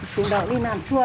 chúng tôi đi làm suốt